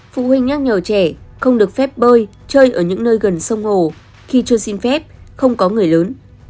phụ huynh nhắc nhở trẻ không được phép bơi chơi ở những nơi gần sông hồ khi chưa xin phép không có người lớn